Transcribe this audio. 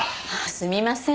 すみません